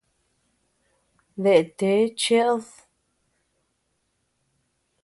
¿Dea tee cheʼed?